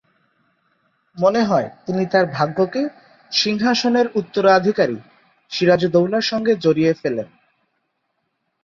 মনে হয় তিনি তার ভাগ্যকে সিংহাসনের উত্তরাধিকারী সিরাজউদ্দৌলার সঙ্গে জড়িয়ে ফেলেন।